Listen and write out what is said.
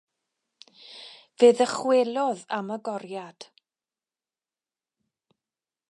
Fe ddychwelodd am y goriad.